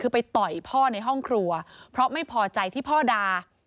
คือไปต่อยพ่อในห้องครัวเพราะไม่พอใจที่พ่อด่า